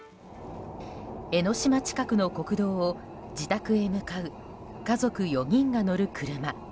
江の島近くの国道を自宅に向かう家族４人が乗る車。